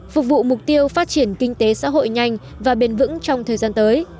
phục vụ mục tiêu phát triển kinh tế xã hội nhanh và bền vững trong thời gian tới